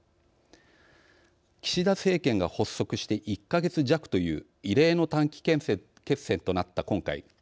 岸田政権が発足して１か月弱という異例の短期決戦となった今回。